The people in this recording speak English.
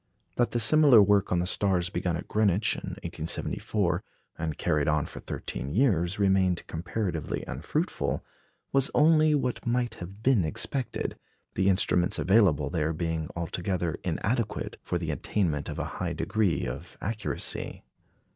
That the similar work on the stars begun at Greenwich in 1874, and carried on for thirteen years, remained comparatively unfruitful, was only what might have been expected, the instruments available there being altogether inadequate for the attainment of a high degree of accuracy.